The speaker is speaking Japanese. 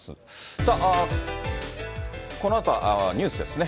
さあ、このあとはニュースですね。